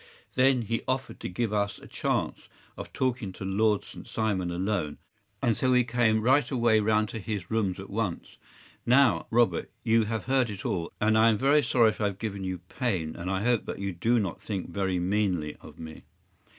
Then he offered to give us a chance of talking to Lord St. Simon alone, and so we came right away round to his rooms at once. Now, Robert, you have heard it all, and I am very sorry if I have given you pain, and I hope that you do not think very meanly of me.